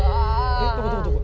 えどこどこどこ。